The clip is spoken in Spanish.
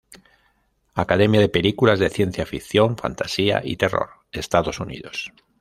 Academia de películas de ciencia-ficción, fantasía y terror, Estados Unidos